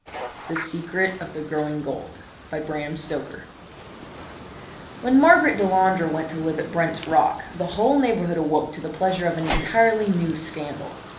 The Secret of the Growing Gold When Margaret Delandre went to live at Brent's Rock the whole neighbourhood awoke to the pleasure of an entirely new scandal.